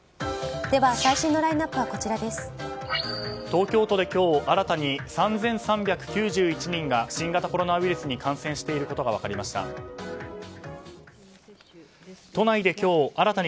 東京都で今日新たに３３９１人が新型コロナウイルスに感染していることが分かりました。